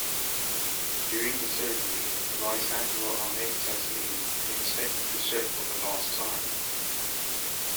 During the ceremony Vice Admiral Ahmed Tasnim, inspected the ship for the last time.